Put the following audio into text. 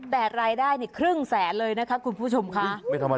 แต่รายได้ครึ่งแสนเลยนะคะคุณผู้ชมค่ะ